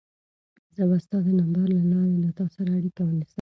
زه به ستا د نمبر له لارې له تا سره اړیکه ونیسم.